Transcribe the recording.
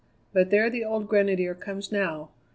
But there the old Grenadier comes now.